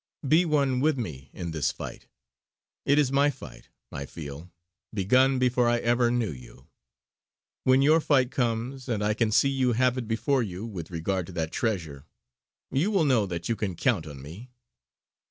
Be one with me in this fight. It is my fight, I feel, begun before I ever knew you. When your fight comes, and I can see you have it before you with regard to that treasure, you will know that you can count on me.